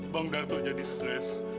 bang darto jadi stres